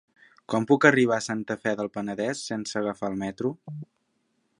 Com puc arribar a Santa Fe del Penedès sense agafar el metro?